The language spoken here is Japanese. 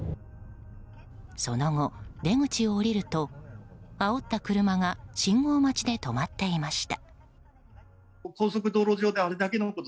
その後、出口を降りるとあおった車が信号待ちで止まっていました。